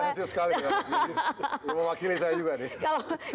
memang berhasil sekali